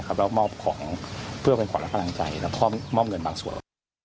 แล้วมอบของเพื่อเป็นของรักษาลังใจและมอบเงินบางส่วน